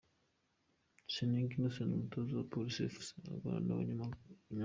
Seninga Innocent umutoza wa Police Fc aganira n'abanyamakuru.